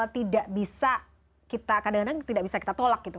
tidak bisa kita kadang kadang tidak bisa kita tolak gitu